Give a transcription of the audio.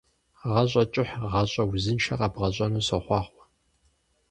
Гъащӏэ кӏыхь, гъащӏэ узыншэ къэбгъэщӏэну сохъуахъуэ.